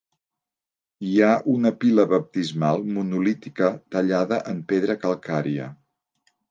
Hi ha una pila baptismal monolítica tallada en pedra calcària.